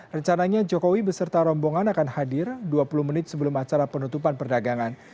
rencananya jokowi beserta rombongan akan hadir dua puluh menit sebelum acara penutupan perdagangan